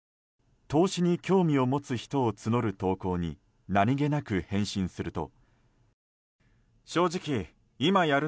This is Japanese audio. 投資に興味を持つ人を募る投稿に何げなく返信すると。